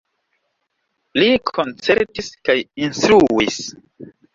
Li koncertis kaj instruis.